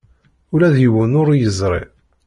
Ula d yiwen ur yeẓri.